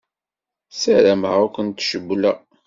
Ssarameɣ ur kent-cewwleɣ.